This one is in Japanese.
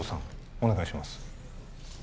お願いします